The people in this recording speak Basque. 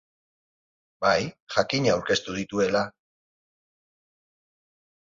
Bai, jakina aurkeztu dituela.